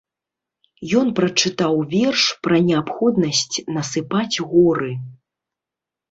Ён прачытаў верш пра неабходнасць насыпаць горы.